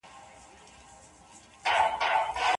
ولي زیارکښ کس د با استعداده کس په پرتله برخلیک بدلوي؟